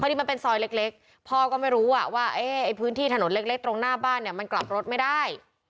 นี่มันเป็นซอยเล็กพ่อก็ไม่รู้ว่าไอ้พื้นที่ถนนเล็กตรงหน้าบ้านเนี่ยมันกลับรถไม่ได้